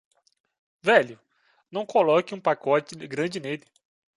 Velho, não coloque um pacote grande nele.